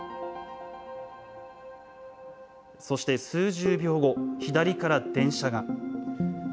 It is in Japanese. そして数十秒後、左から電車が。